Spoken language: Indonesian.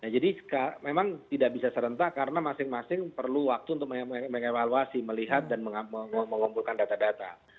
memang tidak bisa serentak karena masing masing perlu waktu untuk mengevaluasi melihat dan mengumpulkan data data